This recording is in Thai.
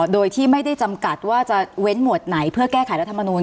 โดยที่ไม่ได้จำกัดว่าจะเว้นหมวดไหนเพื่อแก้ไขรัฐมนูล